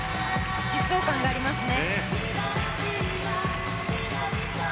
疾走感がありますね。